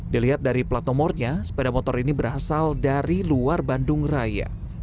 dilihat dari plat nomornya sepeda motor ini berasal dari luar bandung raya